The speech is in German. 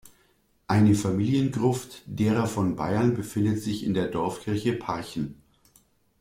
Eine Familiengruft derer von Byern befindet sich in der Dorfkirche Parchen.